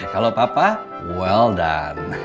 kalau papa well done